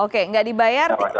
oke nggak dibayar